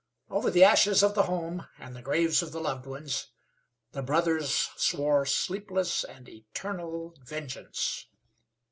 Over the ashes of the home and the graves of the loved ones the brothers swore sleepless and eternal vengeance.